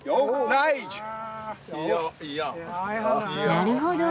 なるほど！